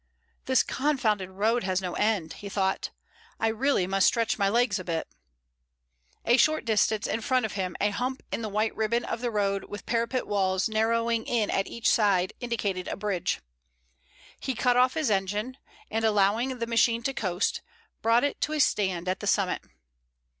"This confounded road has no end," he thought. "I really must stretch my legs a bit." A short distance in front of him a hump in the white ribbon of the road with parapet walls narrowing in at each side indicated a bridge. He cut off his engine and, allowing the machine to coast, brought it to a stand at the summit.